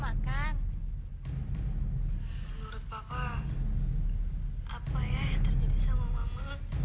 menurut papa apa yang terjadi sama mama